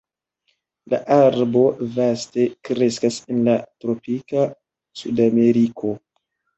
La arbo vaste kreskas en la tropika Sudameriko.